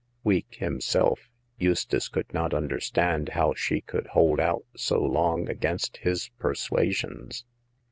Weak himself, Eustace could not understand how she could hold out so long against his persuasions.